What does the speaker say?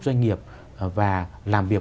doanh nghiệp và làm việc